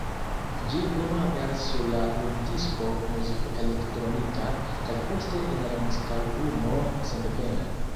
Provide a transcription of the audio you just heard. Ĝi unu aperis sur la lumdisko "Muziko Elektronika", kaj poste en la muzikalbumo "Sendependa".